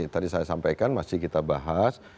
tadi saya sampaikan masih kita bahas